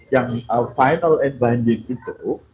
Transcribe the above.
yang final and binding itu